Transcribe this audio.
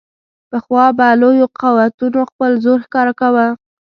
پخوا به لویو قوتونو خپل زور ښکاره کاوه.